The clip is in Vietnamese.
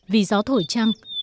vì gió thổi trăng